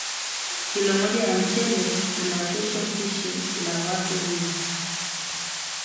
Kilo moja ya mchele unatosha pishi la watu nne